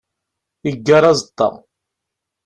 Yeggar aẓeṭṭa.